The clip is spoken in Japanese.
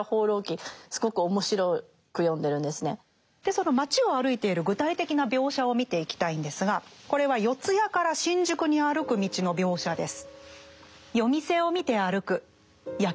その街を歩いている具体的な描写を見ていきたいんですがこれは四谷から新宿に歩く道の描写です。